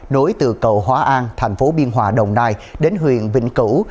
nối từ cầu hóa an tp biên hòa đồng nai đến huyện vịnh cửu